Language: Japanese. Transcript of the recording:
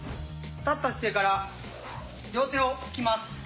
立った姿勢から両手をつきます。